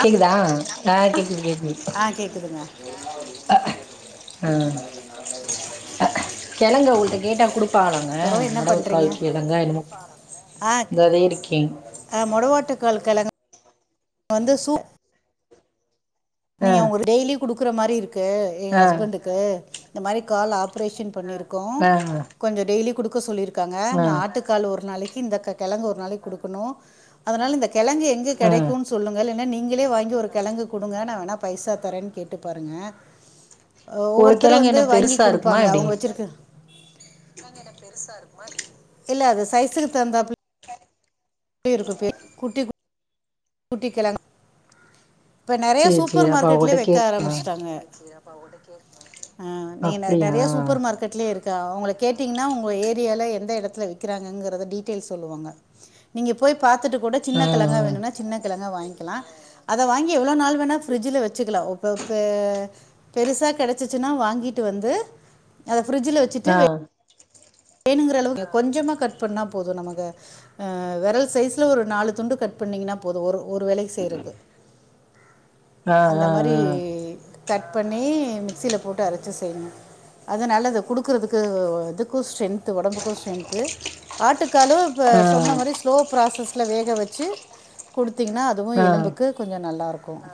கேக்குதா ஆ கேக்குது கேக் ஆஹ் கேக்குதுங்க ம் கெழங்க உங்கள்ட்ட கேட்டா குடுப் பாலங்க அப்புறம் இந்த என்ன மாதிரி பண்ணுறீங்க கால் கிலோ வெங்காயமு ஆ இந்த வெயிடு கிங் ஆ மொடவாட்டுக்கால் கிழங்கு வந்து சு ஆ நீங்க உங்க டெய்லி குடுக் க்குற மாரி இருக் க்கு என் ஆ ஹஸ்பண்டுக்கு இந்த மாரி கால் ஆப்ரேஷன் பண்ணிருக் கு ஆ கொஞ்சம் டெய்லி குடுக் க சொல்லிரு க்காங்க ஆ நா ஆட்டுக்கால் ஒரு நாளைக் இந்த கெ- கெழங்கு ஒரு நாளைக்கி குடுக்கணும். அதனால இந்த கெழங்கு எங்க ஆ கெடைக்குனு சொல்லுங்க நீங்களே வாங்கி ஒரு கெழங்கு குடுங்க நா நா பைசா தரேனு கேட்டுப் பாருங்க அ ஒரு ஒவ்வொருத்தர் கெழங்கு வந்து என்ன வாங்கி பெருசா இருக்குமா குடுப்பாங்க எப்டி அவங்க வச்சிருக்க இல்ல அது சைஸுக்கு தகுந்தாப்ல இருக்கு பேர் குட்டிக் குட்டிக் கெழங்கு இப்ப நெறயா சேரி சூப்பர் சேரி அப்ப மார்க்கெட்லயே அவகிட்ட கே வைக்க ஆரம்பிச்சுட்டாங்க அவங்கள்ட்ட கேக்றேன் ஆஹ் நீங்க நெ- அப்டியா நெறையா சூப்பர் மார்க்கெட்லயே இருக் அவங்கள கேட்டீங்கனா உங்க ஏரியால எந்த எடத்துல விக்கிறாங்கங்கிறத டீட்டெயில் சொல்லுவாங்க. நீங்க போய்ப் பாத்துட்டு கூட சின்ன ஆ கெழங்கா வேணும்னா ங்க வாங்க்கலாம். அத வாங்கி எவ்ளோ நாள் வேனா ஃபிரிட்ஜ்ல வச்சுக்கலாம். அப்பப்ப பெருசா கெடச்சுச்சுனா வாங்கிட்டு வந்து அத ஃபிரிட்ஜில் வச்சிட்டு ஆ வேனுங்குற அளவுக்கு கொஞ்சமா கட் பண்ணா போது நம்மக வெரல் சைஸ்ல ஒரு நாலு துண்டு கட் பண்ணீங்கனா போது ஒரு ஒரு வேலைக் செய்றது ஆ அந்த மரி ஆ கட் பண்ணி மிக்சில போட்டு அரச்சு செய்ணு அது நல்லது குடுக்குறதுக்கு இது குஸ்டின் ஒடம்புக்கு ஸ்ட்ரென்த்து ஆட்டுக் கலு இப்ப ஆ ஆ சொன்ன மாரி ஸ்லோ ப்ராசஸ் ட்ல வேக வச்சு குடுத் தீங்னா அதுவு ஆ எலும்புக்கு கொஞ்ச நல்லாருக் கோ அ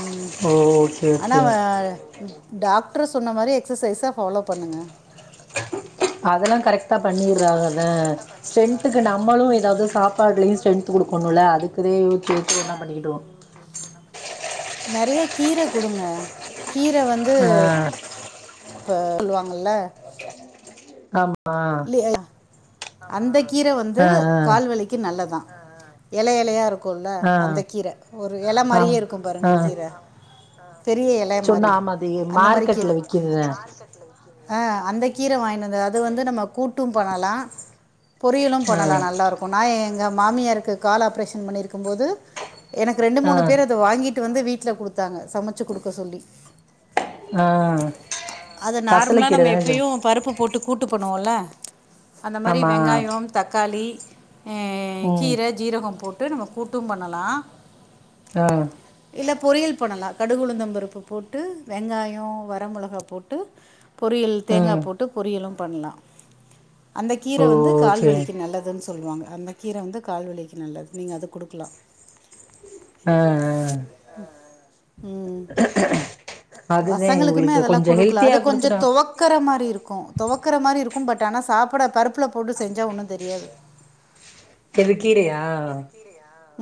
ம் ஓ ஓகே அனா ஓகே வ டாக்ட்ரு சொன்ன மாரி எக்ஸசைஸ ஃபாலோ பண்ணுங்க அதெல்லா கரெக்ட்டா பண்ணிர்றாங்கல்ல ஸ்ட்ரென்த்துக்கு நம்மளு எதாவ்து சாப்பாட்லயு ஸ்ட்ரென்த்து குடுக்கணுல்ல அதுக்குதே யோச்சு யோச்சு [unintelligible] நறைய கீர குடுங்க கீர வந்து ஆ ப [inaudible] ல்லுவாங்கல ஆம் ஆ அந்தக் கீர வந்து ஆ கால் வலிக்கி நல்லதா எல எலையா இருக் குல்ல ஆ அந்த கீர ஒரு எல ஆ மாரியே இருக்கும் பாருங்க ஆ கீர பெரிய எல சொன்னா மாரி ஆமா அது அந்த மாரி கீர மார்க்கெட்ல விக்கிதுதா அ அந்த கீர வாய்னு வந்து அது வந்து நம்ம கூட்டும் பண்ணலா பொரியலும் ஆ பண்ணலா நல்லாருக்கு நா எ ங்க மாமியாருக்கு கால் ஆப்ரேஷன் பண்ணியிருக்கும் போது எனக்கு ரெண்டு ஆ மூணு பேர் அத வாங்கி ட்டு வந்து வீட்ல குடுத்தாங்க சமச்சு குடுக்க சொல்லி ஆ அது நார்மலா பசலைக்கீர நம்ம தான சொன் எப்பயு பருப்பு போட்டு கூட்டு பண்ணுவோல்ல அந்த மாரி ஆமா வெங்காயம் தக்காளி அது ம் கீர ஜீரகம் போட் டு நம்ம கூட்டும் பண்ணலா ஆ இல்ல பொரியல் பண்ணலா கடுகு உளுந்தம் பருப்பு போட்டு வெங்காயோ வர மொளகா போட்டு பொரியல் தேங்கா ம் போட்டு பொரியலு பண்லா அந்த ஓ கீரை வந்து சேரி கால்வலிக்கு நல்லதுன்னு சொ சொல்லுவாங்க அந்த கீரை வந்து கால் வலிக்கு நல்லது நீங்க அது குடுக்கலா ஆ ஆ ம் அதுதே பசங்களுக்குமே இவகளுக்கு அதெல்லாம் கொஞ்சோ ஹெல்த்தியா குடுத்துட்டா கு தொவக்கற மாரி இருக்கு, பட் ட் ஆன சாப்புட பருப்புல போட்டு செஞ்சா ஒன்னு தெரியாது எது கீரையா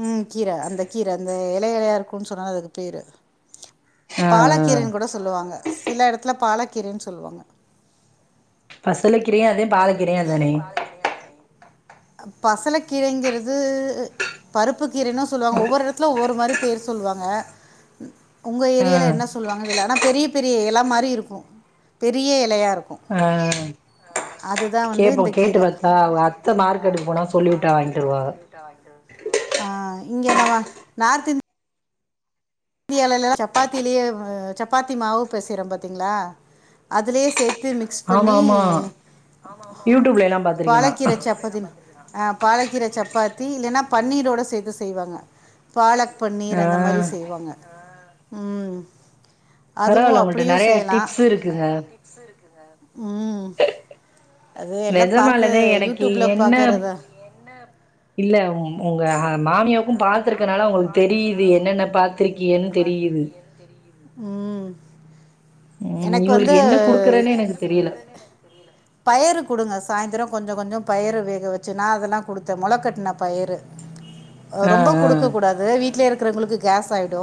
ம் கீர அந்த கீர அந்த எலை எலையா இருக்குன்னு சொன்னல அதுக்கு பேரு ஆ ஆ பாலக் கீரைன்னு கூட சொல்லுவாங்க சில எடத்துல பாலக்கீரைன்னு சொல்லுவாங்க பச பசலக்கீரைங்குறது பருப்பு கீரைன்னு சொல்லுவாங்க ஒவ்வொரு எடத்துல ஒவ்வொரு மாரி பேர் சொல்லுவாங்க உங்க ஆ ஏரியால என்ன சொல்லுவாங்க தெர்ல ஆனா பெரிய பெரிய எல மாரி இருக்கு பெரிய எலையா ஆ அதுதா வந்து கேப்போ இந்த கேட்டு கீர பாத்தா அவுக அத்த மார்க்கெட்டுக்கு போனா சொல்லி வுட்டா வாங்கிட்டு வருவாக ஆ இங்க நம்ம நார்த் இந்தியாலலா சப்பாத்திலயே சப்பாத்தி மாவு பெசயறம் பாத்திங்ளா அதுலயே சேத்து மிக்ஸ் ஆமா பண்ணி ஆமா யூடியூப்ல எல்லா பாத்திருக்கே நா பாலக்கீர சப்பாத்தி அ பாலக்கீர சப்பாத் தி இல்லனா பன்னீரோட சேத்து செய்வாங்க பாலக் ஆ பன்னீர் அந்த மாரி செய்வாங்க ம் அதுவும் பரவால உங்கள்ட்ட அப்படியும் நெறைய செய்யலாம் டிப்ஸ் இருக்குங்க ம் அது எல்லாம் பார்த்து நெஜமாலதே எனக்கு யூடியூப்பில் என்ன பார்க்கறத இல்ல ஒ ஒங்க மாமியவ் மாமியாவுக்கு பாத்ததுருக்கனால உங்களுக்கு தெரியுது என்னன்ன பாத்திருக்கியன்னு தெரியுது பாத்துருக்கியனு தெரியுது ம் ம் எனக் வந்து இவளுக்கு என்ன குடுக்குறேன்னு என்ன எனக்கு தெரியல குடுக்குறனே எனக்கு தெரியல பயறு குடுங்க சாய்ந்தர கொஞ்ச கொஞ்ச பயறு வேக வச்சு நா அதல்லா குடுத்த மொள கட்ன பயிறு ஒ ஆ ரொம்பொ குடுக்க கூடாது வீட்லே இருக் க்றவ்ங்ளுக்கு கேஸ் ஆயிடு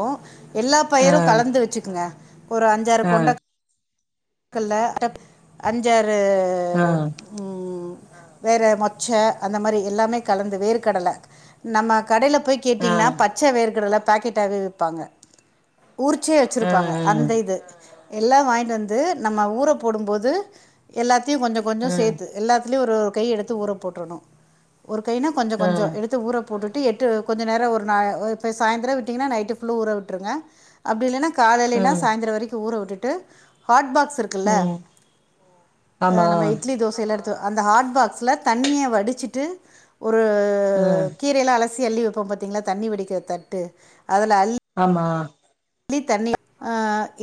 எல்லா ஆ பயறு கலந்து வச்சுக்குங்க ஒரு அஞ்சாறு ஆ கொண்டக் கல்ல அஞ்சாறு ஆ ம் வேற மொச்ச அந்த மாரி எல்லாமே கலந்து வேர் கடல நம்ம கடைல போய் ஆ ஆ கேட்டீங்னா பச்ச வேர்கடல பாக்கெட்டாவே விப்பாங்க ஊறிச்சே ஆ வச்சுருப்பாங்க அந்த இது எல்லா வாய்ன்ட்டு வந் து நம்ம ஊர போடும்போது எல்லாத் தியு கொஞ்ச கொஞ்சொ ஆ சேத்து எல்லா த்லியு ஒருரு கை எடுத்து ஊற போட்றணு ஒரு கைனா கொஞ்சக் ஆ கொஞ்சொ ஆ எடுத்து ஊற போட்டுட்டு எட்டு கொஞ்ச நேரொ ஒரு நா அ இப்ப சாய்ந்தரொ விட்டீங்கன்னா நைட்டு ஃபுல்லா ஊற உட்ருங்க அப்டி இல்லன்னா ஆ காலைலினா சாய்ந்தரொ வரிக்கு ஊர உட்டு ட்டு ஹாட் பாக் ஸ்ருக்குல்ல ம் ஆமா நம்ம இட்லி தோச எல்லா எட்த் து அந்த ஹாட் பாக்ஸ்ல தண்ணிய வடிச்சிட்டு ஒரூ ஆ கீரையல்லா அல சி அள்ளி வெப்போ பாத்தீங்களா தண்ணி வடிக்க தட்டு அதுல அ ஆமா ள்ளி தண்ணிய ஆ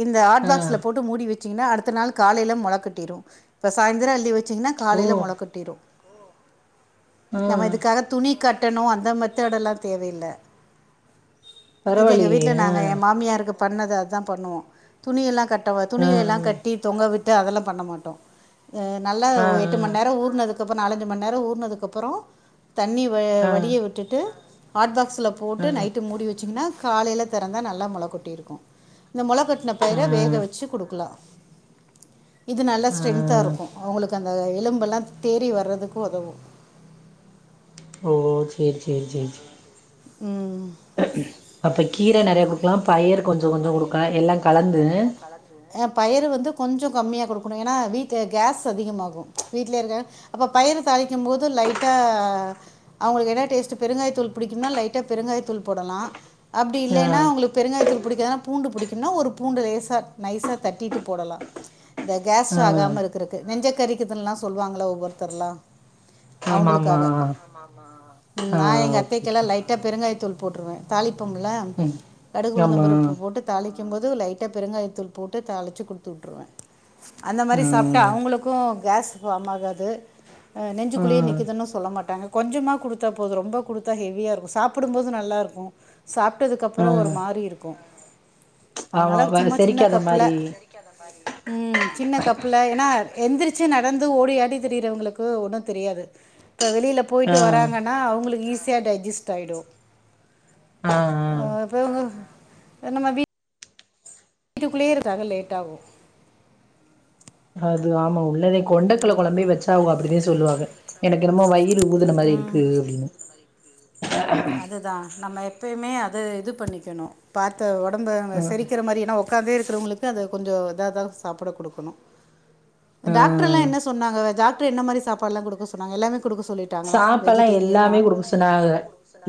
இந்த ஆட் ஆ பாக்ஸ்ல போட்டு மூடி வெச் சீங்கன்னா அடுத்த நாள் காலைல மொல கட்டிரு இப்ப சாயந்தரொ அள்ளி வச் சீங்னா ஓ காலைல மொல கட்டிரு ஆ நம்ம இதுக்காக துணி கட்டணு அந்த மெத்தடல்லா தேவயில்ல பரவா இல்லையே ஆ கு பண்ணது அதா பண்ணுவோ துணியெல்லா கட் டமா ஆ துணிய எல்லா கட்டி தொங்க வி ட்டு அதெல்லாம் பண்ண மாட்டோ நல்லா ஆ ஆ ஒரு எட்டு மணி நேரம் ஊர்னதுக் அப்புறம் நாலஞ்சுணி நேரோ ஊருனதுக்கு அப்புறோ தண்ணி வ ஆ வடிய விட்டுட்டு ஹாட் பாக்ஸ் ல ஆ போட்டு நைட்டு மூடி வச்சிங்கன்னா காலையில திறந்த ந ல்லா மொல கொட்டிருக்கு இந்த மொல கொட் ட்ன ஆ ஆ பயிர வேக வச்சு குடுக்கலா இது நல்ல ஆ ஸ்ட்ரெத்தா இருக்கு அவங்களுக்கு அந்த எலும்பு எல்லா தேறி வர்றதுக்கு உதவு ஓ சேரி சேரி சேரி சேரி உம் அப்ப கீர நெறைய குடுக்கலா பயர் கொஞ்சோ கொஞ்சோ குடுக்கலா எல்லா கலந்து அ பயரு வந்து கொஞ்ச கம்மியா குடுக்கணு ஏன்னா வீட்ல கேஸ் அதிகமாகு வீட்லேயிருக்க அப்போ பயிறு தாலிக்கும் போது லைட்டா அவங்களுக்கு என்ன டேஸ்ட்டு பெருங்காய தூள் புடிக்குனா லைட்டா பெருங்காய தூள் போடலா ஆ இல்லைன்னா அவுங்களுக்கு பெருங்காயத்து பிடிக்காதுனா பூண்டு பிடிக்கும்னா ஒரு பூண்டு லேசா நைசா தட்டிட்டு போடலாம் இந்த கேஸு ஆ ஆகாம இருக்குறக்கு நெஞ்ச கறிக்குதுன்ல்லா சொல்லுவாங்களா ஒவ்வொருத்தர்லா ஆமா ஆமா அவங்களுக்காக ஆ நா எங்க ஓகே அத்தைக்கெல்லா ஓகே லைட்டா பெருங்காயத் தூள் போட்ருவே தாலிப்பம்ல்ல ம் கடுகு ஆமா உளுந்தம்பருப்பு போட்டு தாளி வைக்கும்போது லைட்டா பெருங்காயத்தூள் போட்டு தாளிச்சு குடுத்துவிட்ருவே அந்த ஆ மாரி சாப்ட்டா அவங்களுக்கு கேஸ் ஃபாம் ஆகாது ஆ நெஞ்சுக்குள்ளேயே நிக்குதுன்னு சொல்ல மாட்டாங்க கொஞ்சமா கொடுத்தா போது ரொம்ப கொடுத்தா ஹெவியா இருக்கு சாப்பிடும்போது நல்லாருக்கு சாப் ஆ விட்டதுக்கப்புறோ ஒரு மாரி இருக்கு ஆமா அதனால வ சும்மா சின்ன செரிக்காத கப்புல மாரி உம் சின்ன கப்புல ஏன்னா எந்திரிச்சு நடந்து ஓடி ஆடி திரியிறவங்களுக்கு ஒண்ணு தெரியாது இப்ப வெளியில ஆ போயிட்டு வராங்கன்னா அவங்களுக்கு ஈசி ஈசியா டைஜிஸ்ட் ஆயிடும் ஆ ஆ அதாங்க நம்ம வீ வீட்டுக்குள்ளேயே இருந்தா லேட் ஆகு அது ஆமா உள் [unintelligible] கொண்டைக்கல்ல கொழம்பே வச்சாவுக அப்படிதா சொல்லுவாக எனக்கு என்னமோ வயிறு ஊதுன மாரி இருக்கு அப்படின்னு அது தா நம்ம எப்பயுமே அத இது பண்ணிக்கணு பாத்த ஒடம்பு ம் செரிக்கிற மாரினா ஒ க்காந்தே இருக்கறவங்களுக்கு அது கொஞ்சோ இதா தா சாப்பிட குடுக்கணு டாக்டர்லா ம் என்ன சொ சொன்னாங்க டாக்ட்ரு என்ன மாரி சாப்பாடெல்லா குடுக்க சொன்னாங்க எல்லாமே கொடுக்க சொல்லிட்டாங்களா சாப்பாடெல்லா வெஜிடேரியன் எல்லாமே நான் குடுக்க சொன்னாங்க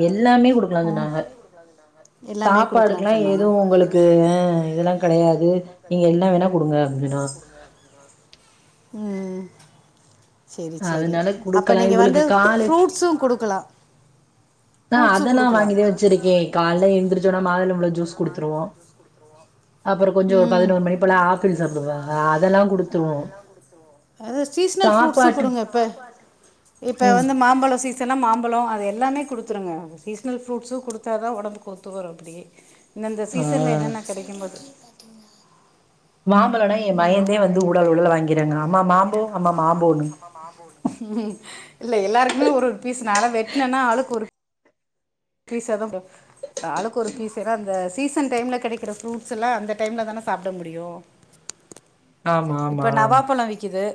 எல்லாமே ஓ குடுக்கலானு சொன்னாக எல்லாமே சாப்பாடு கொடுக்கலான்னு கெல்லா சொன்னாங்க எது உங்களுக்கு இ இதெல்லா கிடையாது நீங்க என்ன வேணா குடுங்க அப்படின்னா உம் சேரி சேரி அதனால அப்போ குடுக்கலா நீங்க வந்து இவளுக்கு காலு ஃப்ரூட்ஸு குடுக்கலா ஆ ஃப்ரூட்சு அதெல்லா குடுக்கலா வாங்கிதே வச்சிருக்கே கால்ல எந்திரிச்சோனா மாதுளம்பழ ஜூஸ் குடுத்துருவோ அப்புற கொஞ்ச ஒரு ம் பதினோரு மணி போல ஆப்பிள் சாப்டுவாங்க அதெல்லா குடுத்துருவோ அதா சீஸ்னல் ஃப்ரூட்சு சாப்பாட்டு குடுங்க இப்ப இப்ப ம் வந்து மாம்பழ சீசன்னா மாம் பழோ அது எல்லாமே குடு குடுத்துருங்க சீசனல் ஃப்ரூட்சு குடுத்தா தா ஒடம்புக்கு ஒத்து வரு அப்டி இந்தந்த ஆ சீசன்ல என்னன்ன கிடைக்கும்போது மாம்பழனா எ மயந்தே மாம்பளைனா வந்து என் ஊடால ஊடால பயனந்தே வந்து வாங்கிறாங்க உடல் அம்மா உடலை மாம்போ வாங்கிறாங்க அம்மா மாம்போ மாம்போன்னு அம்மா மாம்போம் இல்ல எல்லாருக்குமே ஒரு ஒரு பீஸ் நால வெட்டனேனா ஆளுக்கு ஒரு பீஸ் தா குடுப் ஆளுக்கு ஒரு பீஸ் ஏனா அந்த சீசன் டைம்ல கெடைக்கிற ஃப்ரூட்ஸ் எல்லா அந்த டைம்ல தான சாப்பிட முடியு ஆமா இப்ப ஆமா நவாப்பழ விக்குது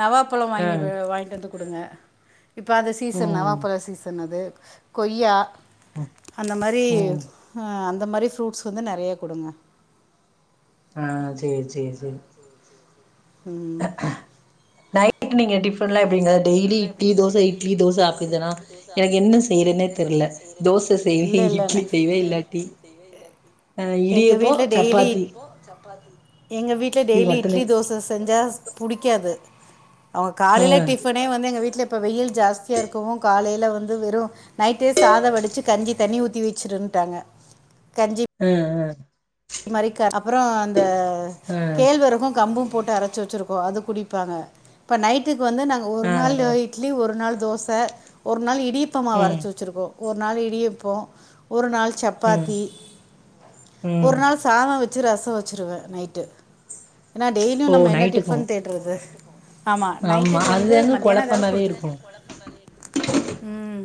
நவாப்பழ ஆ வாங்கிபு வாங்கிட்டு வந்து குடுங்க இப்போ அது சீசன் ம் நவாப்பழ சீசன் அது கொய்யா அந்த மாரி அஹ் ம் அந்த அந்த மாரி ஃப்ரூட்ஸ் வந்து நெறைய குடுங்க ஆஹ் சேரி சேரி சேரி உம் நைட் நீங்க டிஃபன்லா எப்டிங்க டெய்லி இட்லி தோச இட்லி தோச அப்டிதானா எனக்கு என்ன செய்றதுனே தெர்ல தோச இல்ல செய்வே இல்ல இட்லி இல்ல செய்வே இல்லாட்டி ஆ எங்க இடியப்போ வீட்ல டெய்லி சப்பாத்தி எங்க வீட்ல இது டெய்லி மட்டுந்தே இட்லி தோச செஞ்சா புடிக்காது ஆ காலைல டிஃபனே வந்து எங்க வீட்ல இப்ப வெயில் ஜாஸ்தியா இருக்கவு காலைல வந்து வெறு நைட்டே சாதோ வடிச்சு கஞ்சி தண்ணி ஊத்தி வெச்சிருட்டாங்க ஹம் ஹம் அ மாரி அப்புறோ அந்த ஆ கேழ்வரகும் கம்பும் போட்டு அரச்சு வெச்சிருக்கோ அது குடிப்பாங்க இப்ப நைட்டு க்கு வந்து நாங்க ஒரு ஆ ஆ நாள் ஆ இட்லி ஒரு நாள் தோச ஒரு நாள் இ டிப்பமாவு ம் அரச்சு வெச்சிருக்கோ ஒரு நாள் இடியப்போ ஒரு நாள் ம் சப்பாத்தி ஒரு ம் நாள் சாதோ வெ ச்சு ரசோ வெச்சிருவ நைட்டு ஏனா டெய்லியு ஓ நம்ம என்ன நைட்டுக்கு டிபன் தேடுறது ஆமா நைட்டுக்கு வந்து அதுதாங்க மதியானோ எதாவது கொழப்பமாவே குடுத்து இருக்கு உம்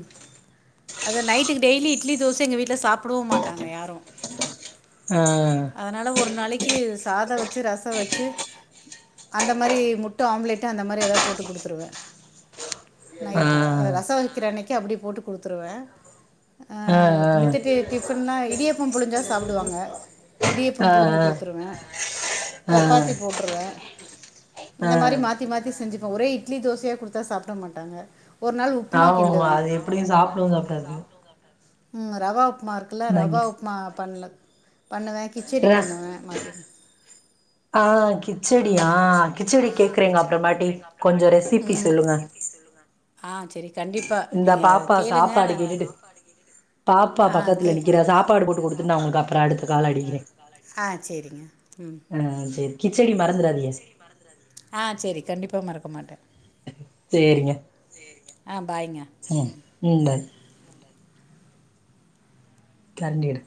அத நைட்டுக்கு டெய்லி இட்லி தோச எங்க வீட்ல சாப்பிடவு மாட்டாங்க யாரு ஆ அதனால ஒரு நாளை க்கு சாதோ வெச்சு ரசொ வெச்சு அந்த மாரி மொட்டு ஆம்லெட்டு் அந்த மாரி எதாவது போட்டு குடுத்துருவ ஆ நைட்டு ரசொ வெக்கிற அன்னை க்கு அப்படி போட்டு குடுத்துருவ ஆ ஆ ஆஹ் [unintelligible] சொன்னா இடியாப்போ புளிஞ்சா சாப்டுவாங்க இடியாப்போ ஆ புழிஞ்சு குடுத்துருவ ஆ சப்பாத்தி போட்டுருவ இந்த ஆ மாரி ஆ மாத்தி மாத்தி செஞ்சுப்பே ஒரே இட்லி தோசயா குடுத்தா சாப்ட மாட்டாங்க ஒரு நாள் உப்புமா ஆமாமா கிண்டுவ அது எப்டியு சாப்டவு சாப்டாது ம் ரவ உப்புமா இருக்கல்ல ரவ மேகி உப்புமா பண்ல பண்ணுவ கிச்சடி பண்ணுவ ஆஹ் கிச்சடியா கிச்சடி கேக்குறேங் அப்புறமாட்டி கொஞ்சோ ரெசிபி கொஞ்சோ சொல்லுங்க ஆ செரி கண்டிப்பா இந்த நீங்க பாப்பா கேளுங்க சாப்பாடு நா கேட்டுட்டு இந்த பாப்பா சாப்பாடு கேட்டுட்டு பாப்பா ஆ பக்கத்துல கே நிக்கிறா சாப்பாடு போட்டு குடுத்துட்டு நா உங்களுக்கு அப்றோ அடுத்து கால் அடிக்கிறே ஆஹ் சேரிங்க உம் ஆ சேரி கிச்சடி மறந்துறாதீங்க ஆஹ் சேரி கண்டிப்பா மறக்க மாட்ட சேரிங்க ஆ பாய்ங்க ம் ம் பாய் கண்ணெடு